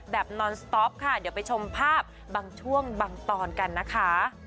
นอนสต๊อปค่ะเดี๋ยวไปชมภาพบางช่วงบางตอนกันนะคะ